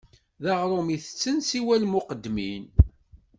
D aɣrum i tetten siwa lmuqeddmin.